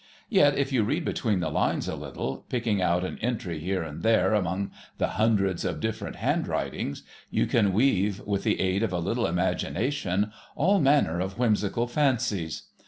Yet if you read between the lines a little, picking out an entry here and there among the hundreds of different handwritings, you can weave with the aid of a little imagination all manner of whimsical fancies.